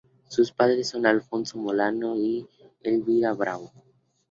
Sus padres son Alfonso Molano y Elvira Bravo.